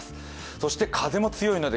そして風も強いので。